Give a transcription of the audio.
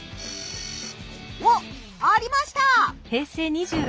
おっありました！